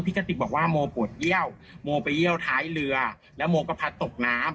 กะติกบอกว่าโมปวดเยี่ยวโมไปเยี่ยวท้ายเรือแล้วโมก็พัดตกน้ำ